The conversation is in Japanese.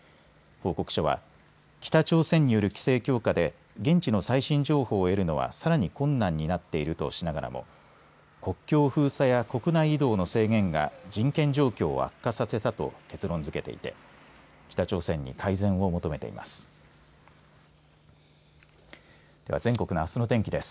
報告書は北朝鮮による規制強化で現地の最新情報を得るのはさらに困難になっているとしながらも国境封鎖や国内移動の制限が人権状況を悪化させたと結論付けていて北朝鮮に改善を求めています。